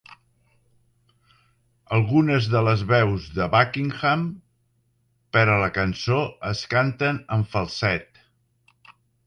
Algunes de les veus de Buckingham per a la cançó es canten en falset.